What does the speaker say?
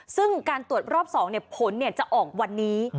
ซึ่งการตรวจรอบ๒ผลจะออกวันนี้